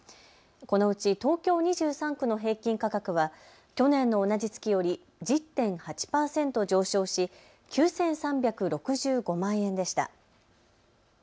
このうち東京２３区の平均価格は去年の同じ月より１０．８％上昇し９３６５万円でした。